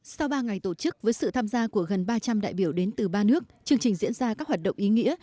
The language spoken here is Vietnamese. sau ba ngày tổ chức với sự tham gia của gần ba trăm linh đại biểu đến từ ba nước chương trình diễn ra các hoạt động ý nghĩa